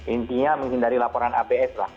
intinya menghindari laporan abs lah